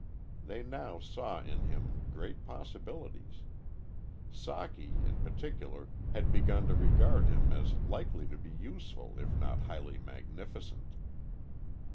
They now saw in him great possibilities. Socky, in particular, had begun to regard him as likely to be useful if not highly magnificent.